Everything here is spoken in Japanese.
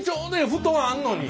布団あんのに。